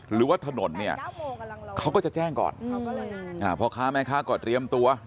หรือว่าถนนเนี่ยเขาก็จะแจ้งก่อนพ่อค้าแม่ค้าก็เตรียมตัว